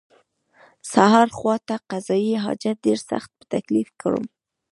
سهار خواته قضای حاجت ډېر سخت په تکلیف کړم.